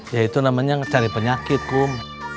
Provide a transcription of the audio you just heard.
ya itu namanya cari penyakit bum